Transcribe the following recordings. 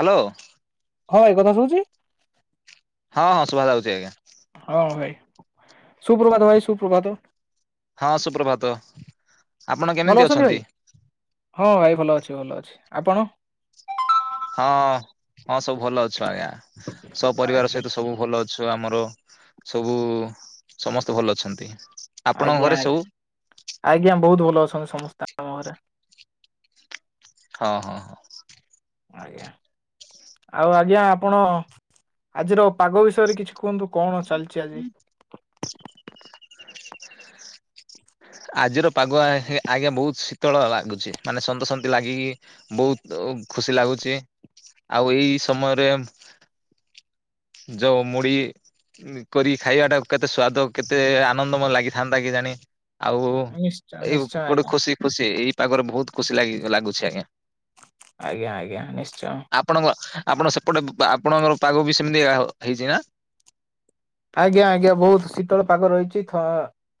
Hello. ହଁ ଏଇ କଥା ଶୁଭୁଛି। ହଁ ଶୁଭା ଯାଉଛି ଆଜ୍ଞା। ହଁ ଭାଇ ଶୁପ୍ରଭାତ ଭାଇ ଶୁପ୍ରଭାତ। ହଁ ସୁପ୍ରଭାତ ଆପଣ ଭଲ କେମିତି ଭାଇ? ଅଛନ୍ତି? ହଁ ଭାଇ ଭଲ ଅଛି ଭଲ ଅଛି ଆପଣ? ହଁ ହଁ ସବୁ ଭଲ ଅଛୁ ଆଜ୍ଞା ସପରିବାର ଆଜ୍ଞା ସହିତ ସବୁ ଭଲ ସବୁ ଆମର ସବୁ ସମସ୍ତେ ଭଲ ଅଛନ୍ତି। ଆପଣଙ୍କ ଆଜ୍ଞା ଘରେ ଆ ସବୁ ଆଜ୍ଞା ବହୁତ ଭଲ ଅଛନ୍ତି ସମସ୍ତ ହଁ ହଁ ହଁ। ଆଜ୍ଞା ଆଉ ଆଜ୍ଞା ଆପଣ ଆଜିର ପାଗ ବିଷୟରେ କିଛି କୁହନ୍ତୁ କଣ ଚାଲିଛି ଆଜି। [unintelligible] ଆଜିର ପାଗୁଆ ଆଜ୍ଞା ବହୁତ ଶୀତଳ ଲାଗୁଛି ମାନେ ସନ୍ତ ଶନ୍ତୀ ଲାଗିକି। ବହୁତ ଖୁସି ଲାଗୁଛି ଆଉ ଏଇ ସମୟରେ ଯଉ ମୁଢି କରି ଖାଇବା ଟା କେତେ ସ୍ଵାଦ କେତେ ଆନନ୍ଦ ମ ଲାଗିଥାନ୍ତା କେଜାଣି। ଆଉ ନିଶ୍ଚୟ ଏଇ ନିଶ୍ଚୟ ଗୋଟେ ଆଜ୍ଞା ଖୁସି ଖୁସି ଏଇ ପାାଗରେ ବହୁତ ଖୁସି ଲାଗ ଲାଗୁଛି ଆଜ୍ଞା। ଆଜ୍ଞା ଆଜ୍ଞା ନିଶ୍ଚୟ। ଆପଣଙ୍କ ଆପଣ ସେପଟେ ଆପଣଙ୍କ ପାଗ ବି ସେମିତି ହେଇଛି ନା ଆଜ୍ଞା ଆଜ୍ଞା ବହୁତ ଶୀତଳ ପାଗ ରହିଛି।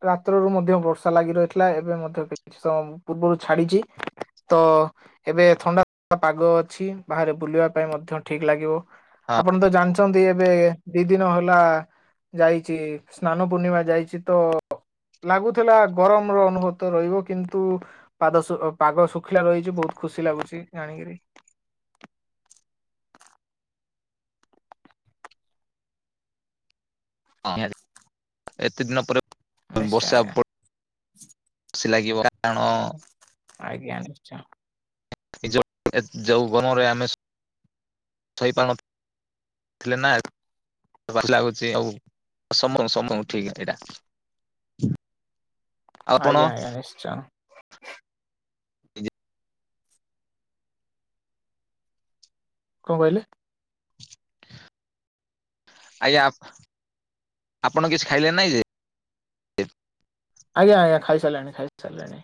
ରାତ୍ରରୁ ମଧ୍ୟ ବର୍ଷା ଲାଗି ରହିଥିଲା ଏବେ ମଧ୍ୟ କେ ତ ପୂର୍ବରୁ ଛାଡିଛି ତ ଏବେ ଥଣ୍ଡା ଥଣ୍ଡା ପାଗ ଅଛି ବାହାରେ ବୁଲିବା ପାଇଁ ମଧ୍ୟ ଠିକ ଲାଗିବ। ଆପଣ ତ ଜାଣିଛନ୍ତି ଏବେ ଦି ଦିନ ହେଲା ଯାଇଛି ସ୍ନାନ ପୂର୍ଣ୍ଣିମା ଯାଇଛି ତ ଲାଗୁଥିଲା ଗରମର ଅନୁଭୂତ ରହିବ କିନ୍ତୁ? ପାଦ ପାଗ ଶୁଖିଲା ରହିଛି ବହୁତ ଖୁସି ଲାଗୁଛି ଜାଣିକିରି। ଏତେ ଦିନ ପରେ ନିଶ୍ଚୟ ବର୍ଷା ଆଜ୍ଞା ପ ଖୁସି ଲାଗିବ କାରଣ ଆଜ୍ଞା ନିଶ୍ଚୟ। ନିଜ ଯେଉଁ ଗଣରେ ଆମେ ଶୋଇପାରୁନୁ [inaudible] ଥିଲେ ନା ଭ ଲାଗୁଛି ଆଉ ସମ ସମ ଠିକ ଏଇଟା। ହ [inaudible] ଆଜ୍ଞା ଆଜ୍ଞା ନିଶ୍ଚୟ। [inaudible] କଣ କହିଲେ? ଆଜ୍ଞା ଆପଣ କିଛି ଖାଇଲେ ନାଇଁ ଯେ। ଆଜ୍ଞା ଆଜ୍ଞା ଖାଇସାରିଲାଣି ଖାଇସାରିଲାଣି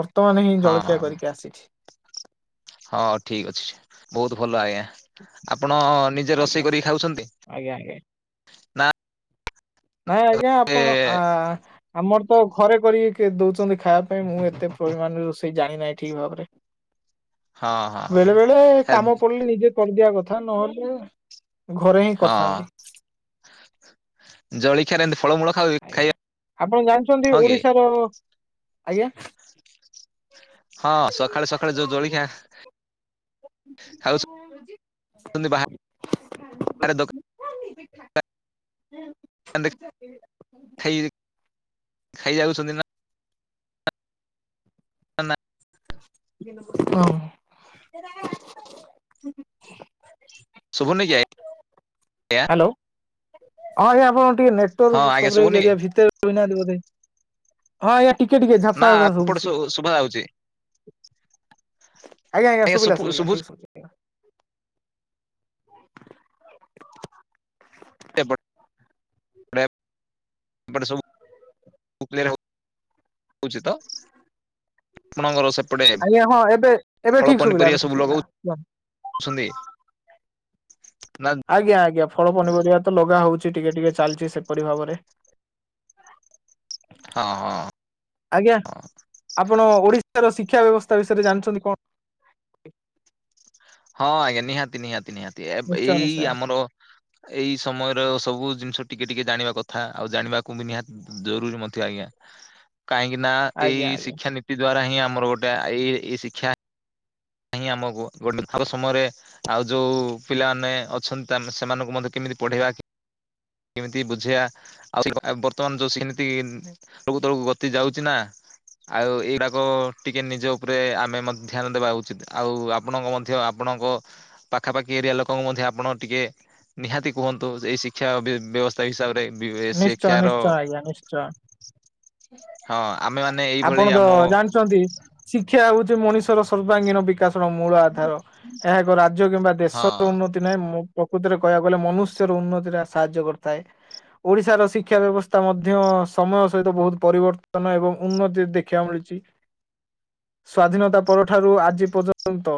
ବର୍ତ୍ତମାନ ହିଁ ହଁ ଜଳଖିଆ ହଁ କରିକି ଆସିଛି। ହଁ ଠିକ୍ ଅଛି ବହୁତ ଭଲ ଆଜ୍ଞା ଆପଣ ନିଜେ ଆଜ୍ଞା ରୋଷେଇ କରିକି ଖାଉଛନ୍ତି। ଆଜ୍ଞା ଆଜ୍ଞା। ନା ନାଇଁ ଆଜ୍ଞା ଏ ଆପଣ ଆ ଆମର ତ ଘରେ କରିକି ଦଉଚନ୍ତି ଖାଇବା ପାଇଁ, ମୁଁ ଏତେ ପରିମାଣରେ ରୋଷେଇ ଜାଣି ନାହିଁ ଠିକ୍ ଭାବରେ। ହଁ ହଁ। ବେଳେ-ବେଳେ ହଁ କାମ ପଡିଲେ ନିଜେ କରିଦିଆ କଥା ନହେଲେ ଘରେ ହିଁ ହଁ କରିଥାନ୍ତି। ଜଳିଖିଆରେ ଏମ୍ତି ଫଳମୂଳ ଖାଉ ଖାଇବା ଆପଣ ଜାଣିଛନ୍ତି ହଁ କି? ଓଡିଶାର ହଁ ସଖାଳୁ-ସଖାଳୁ ଯୋଉ ଜଳିଖିଆ ଖାଉଚ ନ୍ତି ବାହାରେ ଦୋକା [inaudible] ଖାଇଯାଉଛନ୍ତି ନା [inaudible] [unintelligible] ଶୁଭୁନି କି ଆଜ୍ଞା? ହଁ ଆଜ୍ଞା ଆପଣ ଟିକେ ହଁ ନେଟୱର୍କ ଆଜ୍ଞା କଭରେଜ୍ ଶୁଭୁନି କି? ଏରିଆ ଭିତରେ ରହୁନାହାନ୍ତି ବୋଧେ। ହଁ ଆଜ୍ଞା ଟିକେ-ଟିକେ ନା ଝାପ୍ସା-ଝାପ୍ସା ଏପଟେ ଶୁଭୁଛି। ଶୁ ଶୁଭା ଯାଉଛି ଆଜ୍ଞା-ଆଜ୍ଞା ଆଜ୍ଞା ଶୁଭୁ ଶୁଭିଲା-ଶୁଭିଲା ଶୁଭୁଛି ଠିକ୍ [unintelligible] [inaudible] ଏପଟେ ସବୁ [inaudible] ହଉଚି ତ? ଆପଣଙ୍କର ସେପଟେ ଆଜ୍ଞା ଆଜ୍ଞା ହଁ ଏବେ ଏବେ ଫଳ ଠିକ ଶୁଭିଲା ଏବେ ପନିପରିବା ଠିକ ସବୁ ଶୁଭିଲା ଲଗଉ ଛନ୍ତି? ଆଜ୍ଞା-ଆଜ୍ଞା ଫଳ ପନିପରିବା ତ ଲଗା ହଉଚି, ଟିକେ-ଟିକେ ଚାଲିଛି ସେପରି ଭାବରେ। ହଁ ହଁ। ଆଜ୍ଞା। ଆପଣ ଓଡ଼ିଶାର ଶିକ୍ଷା ବ୍ୟବସ୍ଥା ବିଷୟରେ ଜାଣିଛନ୍ତି କଣ? ହଁ ଆଜ୍ଞା ନିହାତି-ନିହାତି-ନିହାତି ଏବ ନିଶ୍ଚୟ ଏଇ ନିଶ୍ଚୟ ଆମର ଏଇ ସମୟର ସବୁ ଜିନିଷ ଟିକେ-ଟିକେ ଜାଣିବା କଥା ଆଉ ଜାଣିବାକୁ ବି ନିହାତି ଜରୁରି ମଧ୍ୟ ଆଜ୍ଞା। କାହିଁକି ନା ଏଇ ଆଜ୍ଞା ଆଜ୍ଞା ଶିକ୍ଷା ନୀତି ଦ୍ଵାରା ହିଁ ଆମର ଗୋଟେ ଏଇ-ଏଇ ଶିକ୍ଷା ଆମକୁ ଗୋଟେ [unintelligible] ସମୟରେ ଆଉ ଯୋଉ ପିଲାମାନେ ଅଛନ୍ତି ସେମାନଙ୍କୁ ମଧ୍ୟ କେମିତି ପଢେଇବା। କେମିତି ବୁଝେଇଆ, ଆଉ ବର୍ତ୍ତମାନ୍ ଯୋଉ ସେମିତି ତଳକୁ ତଳକୁ ଗତି ଯାଉଚି ନା। ଆଉ ଏଇଗୁଡ଼ାକ ଟିକେ ନିଜ ଉପରେ ଆମେ ମଧ୍ୟ ଧ୍ୟାନ ଦେବା ଉଚିତ୍, ଆଉ ଆପଣଙ୍କୁ ମଧ୍ୟ ଆପଣଙ୍କ ପାଖାପାଖି ଏରିଆ ଲୋକଙ୍କୁ ମଧ୍ୟ ଆପଣ ଟିକେ ନିହାତି କୁହନ୍ତୁ, ଏଇ ଶିକ୍ଷା ବି ବ୍ୟବସ୍ଥା ହିସାବରେ ବି ଏ ନିଶ୍ଚୟ ଶିକ୍ଷାର ନିଶ୍ଚୟ ଆଜ୍ଞା ନିଶ୍ଚୟ। ହଁ ଆମେ ମାନେ ଏଇଭଳି ଆପଣ ତ ଆମ ଜାଣିଚନ୍ତି ଶିକ୍ଷା ହଉଚି ମଣିଷର ସର୍ବାଙ୍ଗୀନ ବିକ୍ ବିକାସର ମୂଳ ଆଧାର, ଏହାକୁ ରାଜ୍ୟ କିମ୍ବା ହଁ ଦେଶର ଉନ୍ନତି ନାହିଁ, ପ୍ରକୃତରେ କହିଆକୁ ଗଲେ ମନୁଷ୍ୟର ଉନ୍ନତିରେ ସାହାଯ୍ୟ କରିଥାଏ। ଓଡିଶାର ଶିକ୍ଷା ବ୍ୟବସ୍ଥା ମଧ୍ୟ ସମୟ ସହିତ ବହୁତ୍ ପରିବର୍ତ୍ତନ ଏବଂ ଉନ୍ନତି ଦେଖିବାକୁ ମିଳିଚି। ସ୍ଵାଧୀନତା ପରଠାରୁ ଆଜି ପର୍ଯ୍ୟନ୍ତ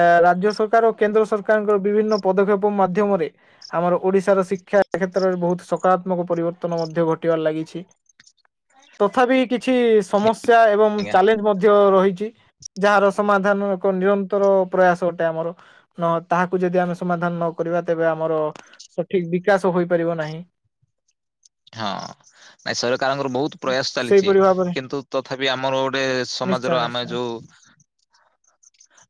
ଆ ରାଜ୍ୟ ସରକାର୍ ଓ କେନ୍ଦ୍ର ସରକାରଙ୍କର ବିଭିନ୍ନ ପଦକ୍ଷେପ ମାଧ୍ୟମରେ ଆମର ଓଡ଼ିଶାର ଶିକ୍ଷା କ୍ଷେତ୍ରରେ ବହୁତ୍ ସକାରାତ୍ମକ ପରିବର୍ତ୍ତନ ମଧ୍ୟ ଘଟିବାରେ ଲାଗିଛି। ତଥାପି କିଛି ସମସ୍ୟା ଏବଂ ଆଜ୍ଞା ଚ୍ୟାଲେଞ୍ଜ ମଧ୍ୟ ରହିଚି। ଯାହାର ସମାଧାନ ଏକ ନିରନ୍ତର ପ୍ରୟାସ ଅଟେ ଆମର। ନ ତାହାକୁ ଯଦି ଆମେ ସମାଧାନ୍ ନ କରିବା ତେବେ ଆମର ସଠିକ୍ ବିକାଶ ହୋଇପାରିବ ନାହିଁ। ହଁ, ନାଇଁ ସରକାରଙ୍କର ବହୁତ୍ ପ୍ରୟାସ୍ ଚାଲିଚି, ସେଇପରି ଭାବରେ କିନ୍ତୁ ତଥାପି ଆମର ଗୋଟେ ନିଶ୍ଚୟ ସମାଜର ଆମେ ନିଶ୍ଚୟ ଯୋଉ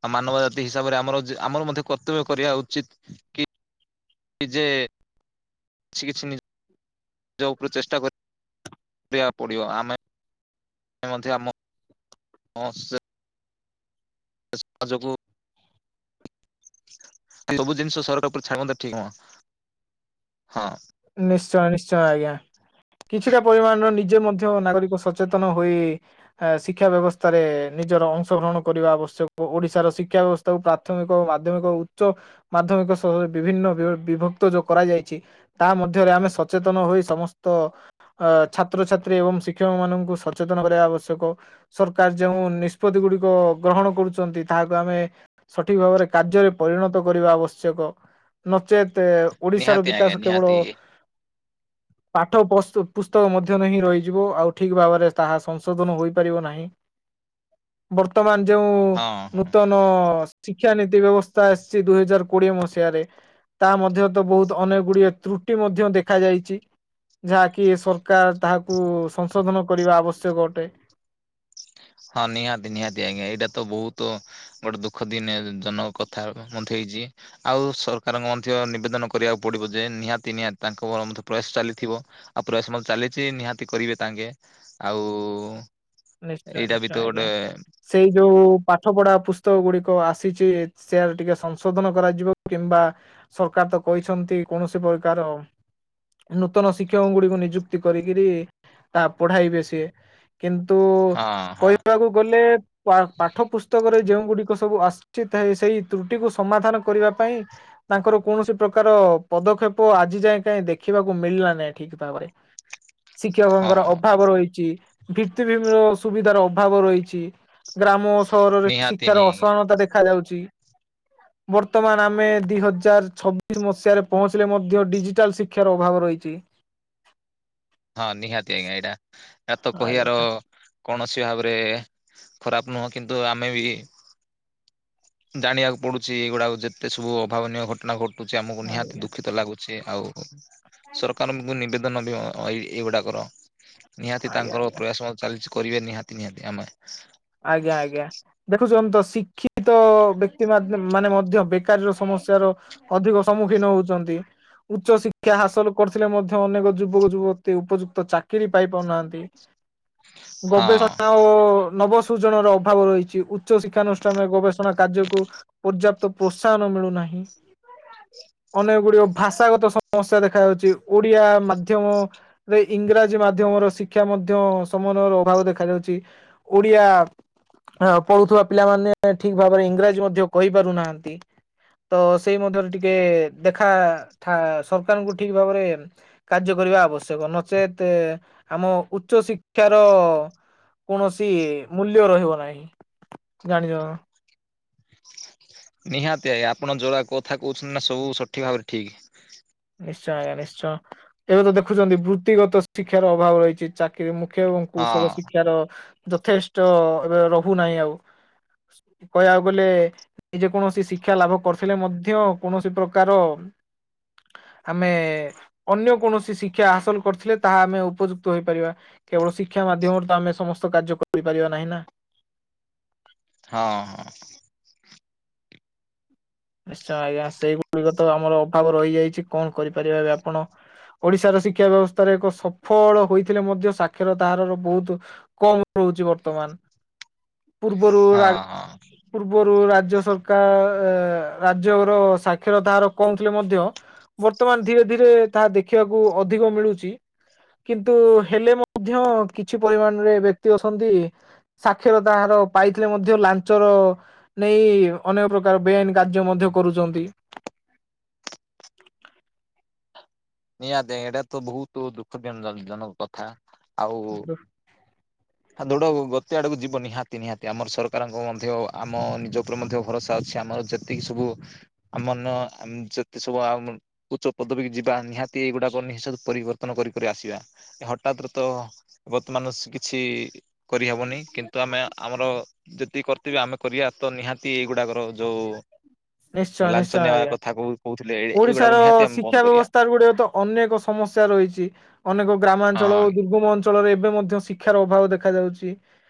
ଆଉ ମାନବ ଜାତି ହିସାବରେ ଆମର-ଆମର ମଧ୍ୟ କର୍ତ୍ତବ୍ୟ କରିବା ଉଚିତ୍, କି କି ଯେ କିଛି-କିଛି ନିଜ ଉପରେ ଚେଷ୍ଟା କରି ଆକୁ ପଡିବ ଆମେ ମଧ୍ୟ ଆମ [unintelligible] [unintelligible] ଯୋଗୁ ସବୁ ଜିନିଷ ସର କ ଉପରେ ଛାଡନ୍ତା ଠିକ ହ ହଁ। ନିଶ୍ଚୟ ନିଶ୍ଚୟ ଆଜ୍ଞା। କିଛିଟା ପରିମାଣର ନିଜେ ମଧ୍ୟ ନାଗରିକ ସଚେତନ ହେଇ। ଶିକ୍ଷା ବ୍ୟବସ୍ଥାରେ ନିଜର ଅଂଶ ଗ୍ରହଣ କରିବା ଆବଶ୍ୟକ ଓଡିଶାର ଶିକ୍ଷା ବ୍ୟବସ ତାକୁ ପ୍ରାଥମିକ ଓ ମାଧ୍ୟମିକ ଉଚ୍ଚ ମାଧ୍ୟମିକ ସହରେ ବିଭିନ୍ନ ବି ବିଭକ୍ତ ଯ କରାଯାଇଛି। ତା ମଧ୍ୟରେ ଆମେ ସଚେତନ ହୋଇ ସମସ୍ତ। ଅ ଛାତ୍ରଛାତ୍ରୀ ଏବଂ ଶିକ୍ଷକ ମାନଙ୍କୁ ସଚେତନ କରିବା ଆବଶ୍ୟକ। ସରକାର ଯୋଉ ନିଷ୍ପତ୍ତି ଗୁଡିକ ଗ୍ରହଣ କରୁଛନ୍ତି ତାହାକୁ ଆମେ ସଠିକ ଭାବରେ କାର୍ଯ୍ୟରେ ପରିଣତ କରିବା ଆବଶ୍ୟକ ନଚେତ ଓଡିଶାର ନିହାତି ବିକାଶ ଆଜ୍ଞା କେବଳ [inaudible] ପାଠ ପସ ପୁସ୍ତକ ମଧ୍ୟରେ ହିଁ ରହିଯିବ ଆଉ ଠିକ ଭାବରେ ତାହା ସଂଶୋଧନ ହୋଇପାରିବ ନାହିଁ‌। [unintelligible] ବର୍ତ୍ତମାନ ଯୋଉ ହଁ ହଁ ନୂତନ ଶିକ୍ଷାନୀତି ବ୍ୟବସ୍ଥା ଆସିଛି ଦୁଇ ହଜାର କୋଡିଏ ମସିହାରେ ତା ମଧ୍ୟରେ ତ ବହୁତ ଅନେକ ଗୁଡିଏ‌। ତ୍ରୁଟି ମଧ୍ୟ ଦେଖାଯାଇଛି। ଯାହାକି ସରକାର ତାହାକୁ ସଂଶୋଧନ କରିବା ଆବଶ୍ୟକ ଅଟେ। ହଁ ନିହାତି ନିହାତି ଆଜ୍ଞା ଏଇଟା ତ ବହୁତ‌ ଗୋଟେ ଦୁଃଖ ଦିନେ ଜନକ କଥା ମଥେ ହେଇଛି। ଆଉ ସରକାରଙ୍କ ମଧ୍ୟ ନିବେଦନ କରିବାକୁ ପଡିବ ଯେ ନିହାତି ନିହାତି ତାଙ୍କର ମଧ୍ୟ ପ୍ରୟାସ ଚାଲିଥିବ। ଆଉ ପ୍ରୟାସ ମତ ଚାଲିଛି ନିହାତି କରିବେ ତାଙ୍କେ ଆଉ ନିଶ୍ଚୟ ଏଇଟା ବି ନିଶ୍ଚୟ ତ ଆଜ୍ଞା। ଗେଟେ ସେଇ ଯୋଉ ପାଠ ପଢା ପୁସ୍ତକ ଗୁଡିକ ଆସିଛି। ସେୟ ଟିକେ ସଂଶୋଧନ କରାଯିବ କିମ୍ବା ସରକାର ତ କହିଛନ୍ତି କୌଣସି ପ୍ରକାର ନୂତନ ଶିକ୍ଷକ ଗୁଡିକୁ ନିଯୁକ୍ତି କରିକରି ତା ପଢାଇବେ ସିଏ କିନ୍ତୁ ତୁ ହଁ ହଁ କହିବାକୁ ଗଲେ। ପା ପାଠ ପୁସ୍ତକରେ ଯେଉ ଗୁଡିକ ସବୁ ଆସୁଚିତ ସେଇ ତ୍ରୁଟିକୁ ସମାଧାନ କରିବା ପାଇଁ ତାଙ୍କର କୌଣସି ପ୍ରକାର ପଦକ୍ଷେପ ଆଜି ଯାଏ କାହିଁ ଦେଖିବାକୁ ମିଳିଲା ନାହି ଠିକ ଭାବରେ। [inaudible] ହଁ ଶିକ୍ଷକଙ୍କର ଅଭାବ ରହିଛି କି କି ବିଭିନ୍ନ ସୁବିଧାର ଅଭାବ ରହିଛି ଗ୍ରାମ ସହରରେ ନିହାତି ନି ଶିକ୍ଷାର ଅସହନତା ଦେଖାଯାଉଛି। [inaudible] ବର୍ତ୍ତମାନ ଆମେ ଦୁଇ ହଜାର ଛବିଶ ମସିହାରେ ପହଞ୍ଚିଲେ ମଧ୍ୟ ଡିଜିଟାଲ ଶିକ୍ଷାର ଅଭାବ ରହିଛି। ହଁ ନିହାତି ଆଜ୍ଞା ଏଇଟା ଏ ତ ଆଜ୍ଞା। କହିବାର କୌଣସି ଭାବରେ ଖରାପ ନୁହଁ କିନ୍ତୁ ଆମେ ବି ଜାଣିବାକୁ ପଡୁଛି ଏଇଗୁଡାକ ଯେତେ ସବୁ ଅଭାବନୀୟ ଘଟଣା ଘ ଟୁଚି ଆମକୁ ନିହାତି ଆଜ୍ଞା ଦୁଃଖିତ ଲାଗୁଛି ଆଉ ସରକାରଙ୍କୁ ନିବେଦନ [unintelligible] ଏଇ ଏଇଗୁଡାକର ନିହାତି ଆଜ୍ଞା ତାଙ୍କର ଆଜ୍ଞା ପ୍ରୟାସ ଚାଲିଛି କରିବେ ନିହାତି ନିହାତି ଆମେ ଆଜ୍ଞା ଆଜ୍ଞା। ଦେଖୁଛନ୍ତି ତ ଶିକ୍ଷିତ ବ୍ୟକ୍ତି ମାଦ ମାନେ ମଧ୍ୟ ବେକାରୀର ସମସ୍ୟାର ଅଧିକ ସମ୍ମୁଖୀନ ହଉଛନ୍ତି। ଉଚ୍ଚ ଶିକ୍ଷା ହାସଲ କରିଥିଲେ ମଧ୍ୟ ଅନେକ ଯୁବକ, ଯୁବତୀ ଉପଯୁକ୍ତ ଚାକିରି ପାଇ ପାରୁନାହାନ୍ତି। [inaudible] ଗବେଷଣା ଓ ନବସୂଜନର ଅଭାବ ରହିଛି। ଉଚ୍ଚ ଶିକ୍ଷାନୁଷ୍ଠାନରେ ଗବେଷଣା କାର୍ଯ୍ୟକୁ ପର୍ଯ୍ୟାପ୍ତ ପ୍ରୋତ୍ସାହନ ମିଳୁନାହିଁ। ଅନେକ ଗୁଡିିକ ଭାଷାଗତ ସମସ୍ୟା ଦେଖାଯାଉଛି ଓଡିଆ ମାଧ୍ୟମ ରେ ଇଂରାଜୀ ମାଧ୍ୟମର ଶିକ୍ଷା ମଧ୍ୟ ସମନ୍ୱୟର ଅଭାବ ଦେଖାଯାଉଛି ଓଡିଆ କହୁଥିବା ପିଲାମାନେ ଠିକ ଭାବରେ ଇଂରାଜୀ ମଧ୍ୟ କହି ପାରୁନାହାନ୍ତି। ତ ସେଇ ମଧ୍ୟରେ ଟିକେ ଦେଖା ସରକାରଙ୍କୁ ଠିକ୍ ଭାବରେ କାର୍ଯ୍ୟ କରିବା ଆବଶ୍ୟକ ନଚେତ୍‌ ଆମ ଉଚ୍ଚ ଶିକ୍ଷାର କୌଣସି ମୂଲ୍ୟ ରହିବ ନାହିଁ ଜାଣିଚ। ନିହାତି ଆଜ୍ଞା ଆପଣ ଯୋଉରା କଥା କହୁଚନ୍ତି ନା ସବୁ ସଠିକ୍ ଭାବରେ ଠିକ୍। ନିଶ୍ଚୟ ଆଜ୍ଞା ନିଶ୍ଚୟ ଏବେ ତ ଦେଖୁଛନ୍ତି ବୃତ୍ତିଗତ ଶିକ୍ଷାର ଅଭାବ ରହିଛି ଚାକିରି ମୁଖ୍ୟ ହଁ କୁଶଳ ଶିକ୍ଷାର ଯଥେଷ୍ଟ ଏବେ ରହୁନାହିଁ ଆଉ କହିବାକୁ ଗଲେ ଯେ କୌଣସି ଶିକ୍ଷା ଲାଭ କରିୁଥିଲେ ମଧ୍ୟ କୌଣସି ପ୍ରକାର ଆମେ ଅନ୍ୟ କୌଣସି ଶିକ୍ଷା ହାସଲ କରିଥିଲେ ତାହା ଆମେ ଉପଯୁକ୍ତ ହୋଇପାରିବା। କେବଳ ଶିକ୍ଷା ମାଧ୍ୟମରେ ତ ଆମେ ସମସ୍ତ କାର୍ଯ୍ୟ କରିପାରିବା ନାହିଁ ନା। ହଁ ହଁ। ନିଶ୍ଚୟ ଆଜ୍ଞା ସେଇଗୁଡିକ ତ ଆମର ଅଭାବ ରହିଯାଇଚି କଣ କରିପାରିବେ ଏବେ ଆପଣ ଓଡିଶାର ଶିକ୍ଷା ବ୍ୟବସ୍ଥାରେ ଏକ ସଫଳ ହୋଇଥିଲେ ମଧ୍ୟ ସାକ୍ଷରତା ହାରର ବୋହୁତୁ କମ୍ ରହୁଚି ବର୍ତ୍ତମାନ ପୂର୍ବରୁ ହଁ ହଁ ପୂର୍ବରୁ ରାଜ୍ୟ ସରକାର ରାଜ୍ୟ ର ସାକ୍ଷରତା ହାର କମ୍ ଥିଲେ ମଧ୍ୟ ବର୍ତ୍ତମାନ ଧୀରେ ଧୀରେ ତାହା ଦେଖିବାକୁ ଅଧିକ ମିଳୁଚି କିନ୍ତୁ ହେଲେ ମଧ୍ୟ କିଛି ପରିମାଣରେ ବ୍ୟକ୍ତି ଅଛନ୍ତି ସାକ୍ଷରତା ହାର ପାଇଥିଲେ ମଧ୍ୟ ଲାଞ୍ଚର ନେଇ ଅନେକ ପ୍ରକାର ବେଆଇନ୍‌ କାର୍ଯ୍ୟ ମଧ୍ୟ କରୁଚନ୍ତି। ନିହାତି ଏଇଟା ତ ବହୁତ ଦୁଃଖ ଜନିନ ଜନକ କଥା ଆଉ ଖା ଦୋଡ ଗୋଟେ ଆଡକୁ ଯିବ ନିହାତି ନିହାତି ଆମର ସରକାରଙ୍କ ମଧ୍ୟ ଆମ ନିଜ ଉପରେ ମଧ୍ୟ ଭରସା ଅଛି ଆମର ଯେ ସେଇଠି ସବୁ ଆମନ ଯେତେ ସବୁ ଆମ ଉଚ୍ଚ ପଦବୀ ଯିବା ନିହା ଏଇଗୁଡାକ ନିଶ୍ଚିନ୍ତ ପରିବର୍ତ୍ତନ କରିି କରି ଆସିବା ହଠାତ୍‌ରେ ତ ବର୍ତ୍ତମାନ କିଛି କରିହବନି କିନ୍ତୁ ଆମେ ଆମର ଯେତିକି କର୍ତ୍ତବ୍ୟ ଆମେ କରିବା ତ ନିହାତି ଏଇଗୁଡାକର ଯୋଉ ନିଶ୍ଚୟ ଲାଞ୍ଚ ନିଶ୍ଚୟ ନେବା ଆଜ୍ଞା କଥା କହୁ କହୁଥିଲେ ଏଇଗୁଡାକ ଓଡିଶାର ନିହାତି ଆମେ ଶିକ୍ଷା ବନ୍ଦ କରିବା। ବ୍ୟବସ୍ଥାର ଗୁଡେ ତ ଅନେକ ସମସ୍ୟା ରହିଛି ଅନେକ ହଁ ଗ୍ରାମାଞ୍ଚଳ ଦୁର୍ଗମ ଅଞ୍ଚଳ ଅଞ୍ଚଳରେ ଏବେ ମଧ୍ୟ ଶିକ୍ଷାର ଅଭାବ ଦେଖାଯାଉଚି।